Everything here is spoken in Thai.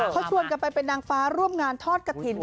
เขาชวนกันไปเป็นนางฟ้าร่วมงานทอดกระถิ่น